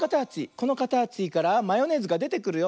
このかたちからマヨネーズがでてくるよ。